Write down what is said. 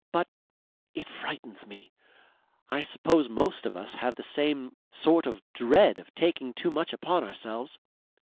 But ... it frightens me. I suppose most of us have this same sort of dread of taking too much upon ourselves."